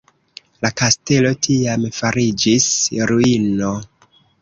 La kastelo tiam fariĝis ruino.